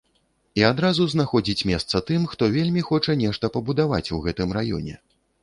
І адразу знаходзіць месца тым, хто вельмі хоча нешта пабудаваць у гэтым раёне.